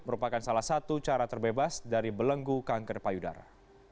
merupakan salah satu cara terbebas dari belenggu kanker payudara